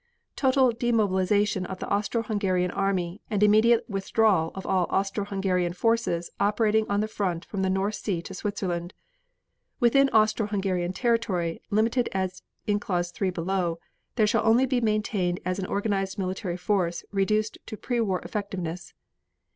Total demobilization of the Austro Hungarian army and immediate withdrawal of all Austro Hungarian forces operating on the front from the North Sea to Switzerland. Within Austro Hungarian territory, limited as in Clause 3 below, there shall only be maintained as an organized military force reduced to pre war effectiveness.